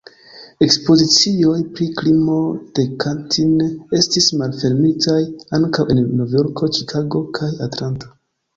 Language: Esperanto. Ekspozicioj pri la krimo de Katin estis malfermitaj ankaŭ en Nov-Jorko, Ĉikago kaj Atlanta.